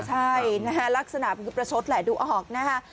ใช่นะฮะลักษณะคือประชดแหละดูออกนะคะ